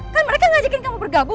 kan mereka ngajakin kamu bergabung